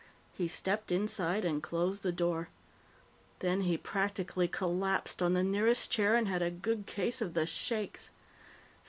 He stepped inside and closed the door. Then he practically collapsed on the nearest chair and had a good case of the shakes.